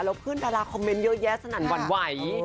แล้วเพื่อนดาราคอมเมนต์เยอะแยะสนั่นหวั่นไหว